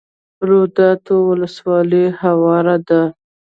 روداتو ولسوالۍ هواره ده؟